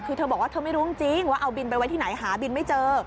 คือเธอบอกว่าเธอไม่รู้จริงว่าเอาบินไปไว้ที่ไหนหาบินไม่เจอ